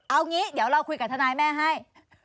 เอางี้เดี๋ยวเราคุยกับทนายแม่ให้